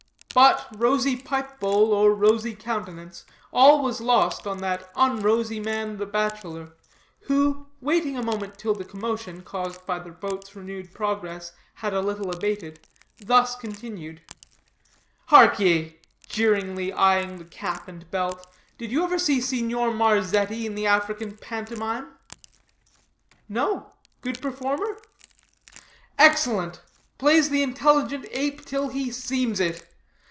But rosy pipe bowl, or rosy countenance, all was lost on that unrosy man, the bachelor, who, waiting a moment till the commotion, caused by the boat's renewed progress, had a little abated, thus continued: "Hark ye," jeeringly eying the cap and belt, "did you ever see Signor Marzetti in the African pantomime?" "No; good performer?" "Excellent; plays the intelligent ape till he seems it.